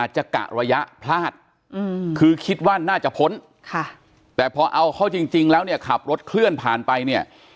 จะพ้นค่ะแต่พอเอาเขาจริงจริงแล้วเนี่ยขับรถเคลื่อนผ่านไปเนี่ย